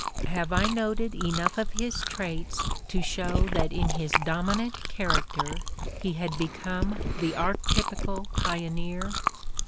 Have I noted enough of his traits to show that in his dominant character he had become the archtypical pio neer?